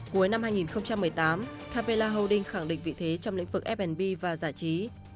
cuối năm hai nghìn một mươi tám capella holding khẳng định vị thế trong lĩnh vực fnb và giải trí